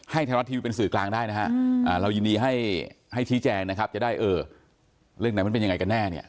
ไทยรัฐทีวีเป็นสื่อกลางได้นะฮะเรายินดีให้ชี้แจงนะครับจะได้เออเรื่องไหนมันเป็นยังไงกันแน่เนี่ย